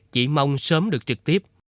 chỉ mong sớm được trực tiếp